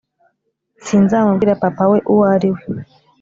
Sinzamubwira papa we uwo ariwe